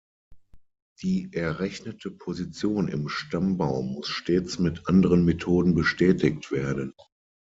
Die errechnete Position im Stammbaum muss stets mit anderen Methoden bestätigt werden.